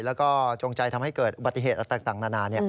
แล้วก็จงใจทำให้เกิดอุบัติเหตุต่างนานา